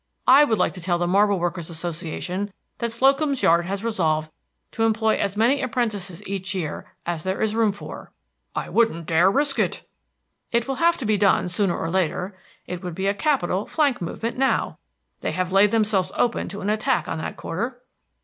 I would like to tell the Marble Workers' Association that Slocum's Yard has resolved to employ as many apprentices each year as there is room for." "I wouldn't dare risk it!" "It will have to be done, sooner or later. It would be a capital flank movement now. They have laid themselves open to an attack on that quarter."